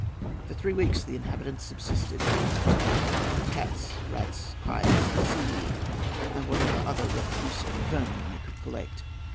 For three weeks the inhabitants subsisted upon nothing but cats, rats, hides, seaweed, and whatever other refuse and vermin they could collect.